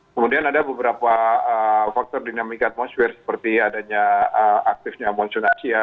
kemudian ada beberapa faktor dinamika atmosfer seperti adanya aktifnya monsoon asia